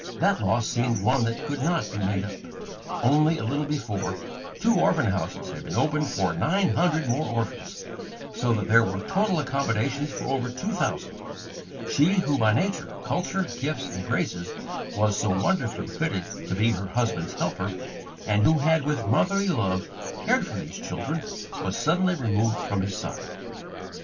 That loss seemed one that could not be made up. Only a little before, two orphan houses had been opened for nine hundred more orphans, so that there were total accommodations for over two thousand; she, who by nature, culture, gifts, and graces, was so wonderfully fitted to be her husband's helper, and who had with motherly love cared for these children, was suddenly removed from his side.